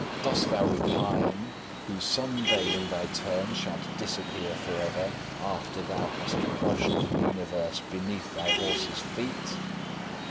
Dost thou repine, who some day in thy turn shalt disappear forever, after thou hast crushed the universe beneath thy horse's feet?